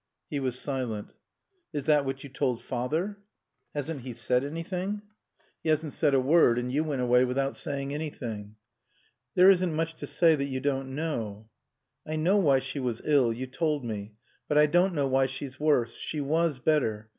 He was silent. "Is that what you told father?" "Hasn't he said anything?" "He hasn't said a word. And you went away without saying anything." "There isn't much to say that you don't know " "I know why she was ill. You told me. But I don't know why she's worse. She was better.